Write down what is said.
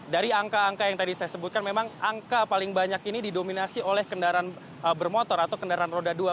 dari angka angka yang tadi saya sebutkan memang angka paling banyak ini didominasi oleh kendaraan bermotor atau kendaraan roda dua